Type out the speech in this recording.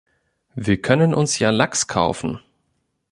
Wir können uns ja Lachs kaufen!